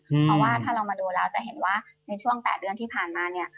เพราะว่าถ้าเรามาดูแล้วจะเห็นว่าในช่วง๘เดือนที่ผ่านมาเนี่ย